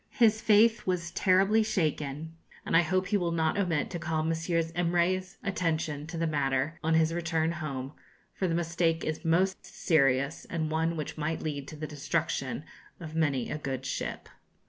His faith was terribly shaken, and I hope he will not omit to call Messrs. Imray's attention to the matter on his return home; for the mistake is most serious, and one which might lead to the destruction of many a good ship.